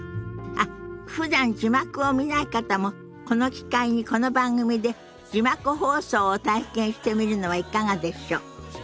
あっふだん字幕を見ない方もこの機会にこの番組で字幕放送を体験してみるのはいかがでしょ。